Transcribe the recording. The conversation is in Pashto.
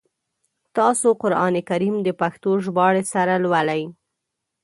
تاسو قرآن کریم د پښتو ژباړي سره لولی ؟